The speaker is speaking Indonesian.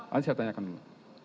nanti saya tanyakan dulu